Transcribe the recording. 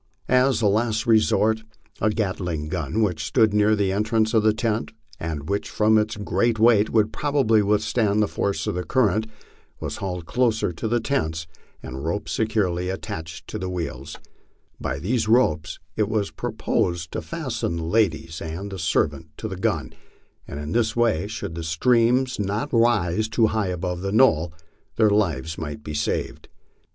As a last resort, a Gatling gun which stood near the entrance of the tent, and which from its great weight would probably withstand the force of the current, was hauled closer to the tent and ropes securely attached to the wheels ; by these ropes it was pro posed to fasten the ladies and the servant to the gun, and in this way, should the streams not rise too high above the knoll, their lives might be saved.